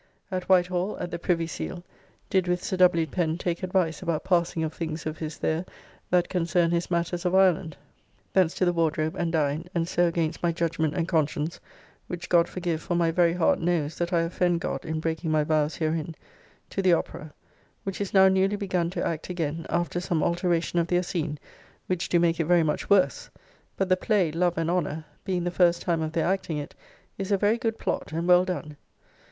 At Whitehall, at the Privy Seal, did with Sir W. Pen take advice about passing of things of his there that concern his matters of Ireland. Thence to the Wardrobe and dined, and so against my judgment and conscience (which God forgive, for my very heart knows that I offend God in breaking my vows herein) to the Opera, which is now newly begun to act again, after some alteracion of their scene, which do make it very much worse; but the play, "Love and Honour," being the first time of their acting it, is a very good plot, and well done.